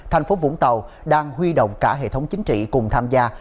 thành phố vũng tàu đang huy động cả hệ thống chính trị cùng tham gia